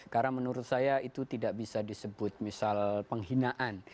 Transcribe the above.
karena menurut saya itu tidak bisa disebut misal penghinaan